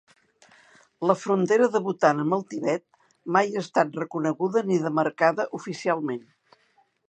La frontera de Bhutan amb el Tibet mai ha estat reconeguda ni demarcada oficialment.